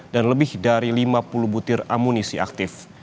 lebih dari lima puluh butir amunisi aktif